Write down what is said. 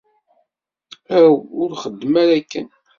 Aw, ur xeddem ara akken!